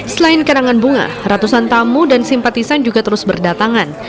selain karangan bunga ratusan tamu dan simpatisan juga terus berdatangan